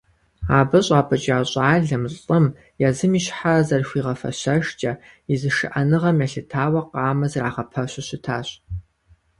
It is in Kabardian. Абы щӀапӀыкӀа щӀалэм, лӀым, езым и щхьэ зэрыхуигъэфэщэжкӀэ, и зышыӀэныгъэм елъытауэ къамэ зэрагъэпэщу щытащ.